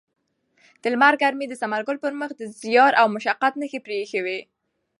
د لمر ګرمۍ د ثمرګل پر مخ د زیار او مشقت نښې پرېښې وې.